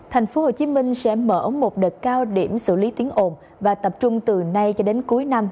tp hcm sẽ mở một đợt cao điểm xử lý tiếng ồn và tập trung từ nay cho đến cuối năm